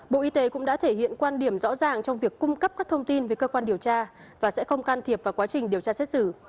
bộ y tế cũng đã thể hiện quan điểm rõ ràng trong việc cung cấp các thông tin với cơ quan điều tra và sẽ không can thiệp vào quá trình điều tra xét xử